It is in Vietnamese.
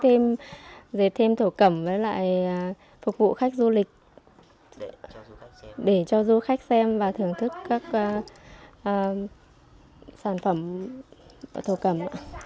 gia đình cũng dếp thêm thổ cẩm với lại phục vụ khách du lịch để cho du khách xem và thưởng thức các sản phẩm thổ cẩm